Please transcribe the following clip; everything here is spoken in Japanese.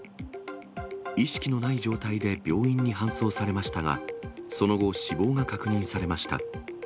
意識のない状態で病院に搬送されましたが、その後、死亡が確認されました。